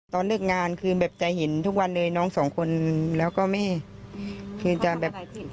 ตอนเลิกงานคือแบบจะเห็นทุกวันเลยน้องสองคนแล้วก็แม่คือจะแบบ